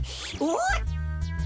おっ！